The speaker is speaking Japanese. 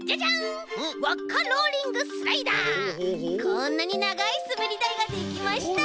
こんなにながいすべりだいができました！